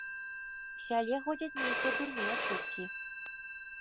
У сяле ходзяць нейкія дурныя чуткі.